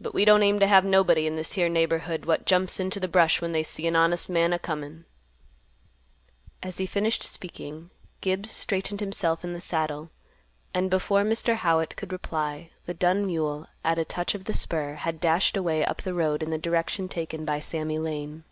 But we don't aim t' have nobody in this here neighborhood what jumps into th' brush when they see an honest man a comin'." As he finished speaking, Gibbs straightened himself in the saddle, and before Mr. Howitt could reply, the dun mule, at a touch of the spur, had dashed away up the road in the direction taken by Sammy Lane.